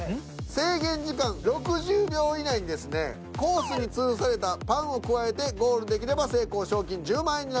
制限時間６０秒以内にですねコースにつるされたパンをくわえてゴールできれば成功賞金１０万円になります。